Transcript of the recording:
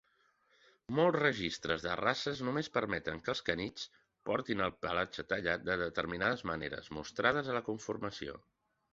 Molts registres de races només permeten que els canitxs portin el pelatge tallat de determinades maneres mostrades a la conformació.